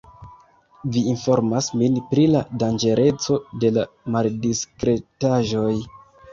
Vi informas min pri la danĝereco de la maldiskretaĵoj.